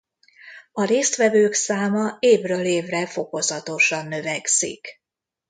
A résztvevők száma évről évre fokozatosan növekszik.